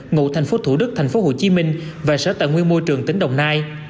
ngụ thành phố thủ đức thành phố hồ chí minh và sở tài nguyên môi trường tỉnh đồng nai